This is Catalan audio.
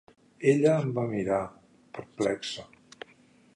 Ella em va mirar, perplexa.